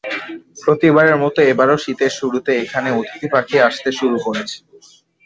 প্রতিবারের মতো এবারও শীতের শুরুতে এখানে অতিথি পাখি আসতে শুরু করেছে।